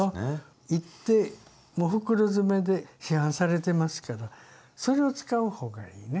いってもう袋詰めで市販されてますからそれを使う方がいいね。